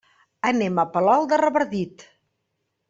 Anem a Palol de Revardit.